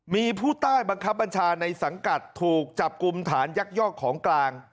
มีผู้ใต้บังคับบัญชาในสังกัดถูกจับกลุ่มฐานยักยอกของกลาง